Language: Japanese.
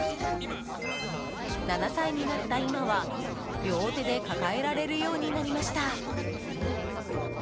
７歳になった今は、両手で抱えられるようになりました。